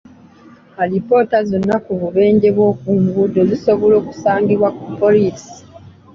Alipoota zonna ku bubenje bw'oku nguudo zisobola okusangibwa ku poliisi.